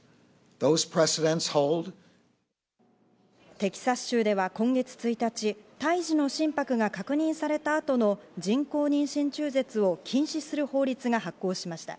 テキサス州では今月１日、胎児の心拍が確認された後の人工妊娠中絶を禁止する法律が発効しました。